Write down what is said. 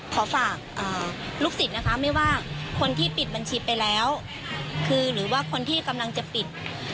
ขอฝากลูกศิษย์นะคะไม่ว่าคนที่ปิดบัญชีไปแล้วคือหรือว่าคนที่กำลังจะปิด